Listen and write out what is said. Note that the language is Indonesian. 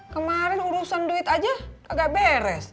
kemarin urusan duit aja agak beres